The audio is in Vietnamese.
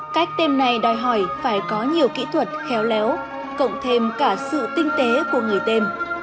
cách tem này đòi hỏi phải có nhiều kỹ thuật khéo léo cộng thêm cả sự tinh tế của người tem